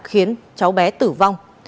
khiến cháu bé tử vong